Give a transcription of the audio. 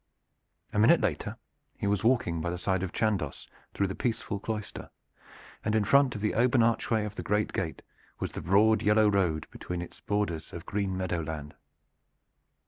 A minute later he was walking by the side of Chandos through the peaceful cloister, and in front in the open archway of the great gate was the broad yellow road between its borders of green meadow land.